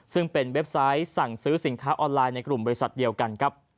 ซึ่งเป็นเว็บไซต์สั่งซื้อสินค้าออนไลน์ในกลุ่มบริษัทเดียวกันครับ